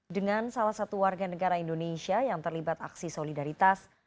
dengan salah satu warga negara indonesia yang terlibat aksi solidaritas